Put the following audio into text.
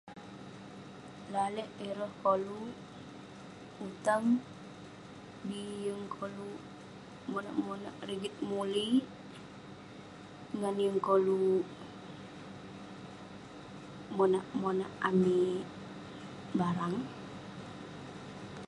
Lalek ireh koluk mutang bi yeng koluk monak-monak rigit mulik ngan yeng koluk monak-monak amik barang